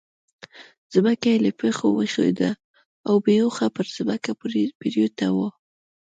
ځمکه يې له پښو وښوېده او بې هوښه پر ځمکه پرېوته.